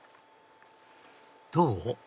どう？